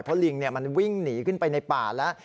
เพราะลิงมันวิ่งหนีขึ้นไปในป่าแล้ว